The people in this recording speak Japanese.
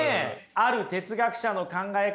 ある哲学者の考え方